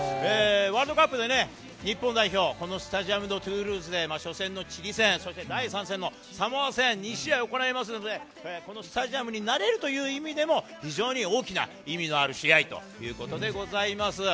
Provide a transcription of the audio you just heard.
ワールドカップで日本代表、このスタジアムのトゥールーズで初戦のチリ戦、そして第３戦のサモア戦、２試合行いますので、このスタジアムに慣れるという意味でも、非常に大きな意味のある試合ということでございます。